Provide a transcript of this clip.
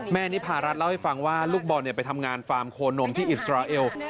นิพารัฐเล่าให้ฟังว่าลูกบอลไปทำงานฟาร์มโคนมที่อิสราเอล